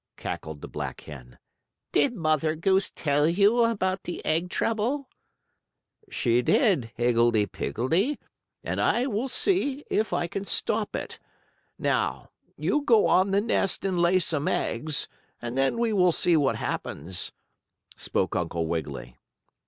cackled the black hen. "Did Mother Goose tell you about the egg trouble?" "She did, Higgledee Piggledee, and I will see if I can stop it. Now, you go on the nest and lay some eggs and then we will see what happens," spoke Uncle Wiggily.